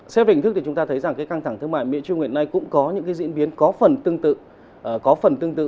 xét về hình thức thì chúng ta thấy rằng căng thẳng thương mại mỹ trung hiện nay có những diễn biến có phần tương tự